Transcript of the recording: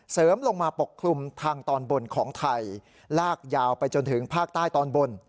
ลงมาปกคลุมทางตอนบนของไทยลากยาวไปจนถึงภาคใต้ตอนบน